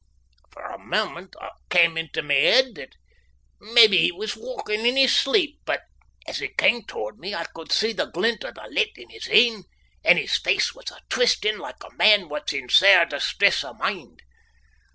For a moment it cam into my held that maybe he was walkin' in his sleep, but as he cam towards me I could see the glint o' the licht in his e'en, and his face was a' twistin', like a man that's in sair distress o' mind.